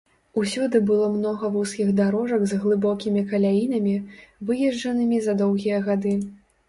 Усюды было многа вузкіх дарожак з глыбокімі каляінамі, выезджанымі за доўгія гады.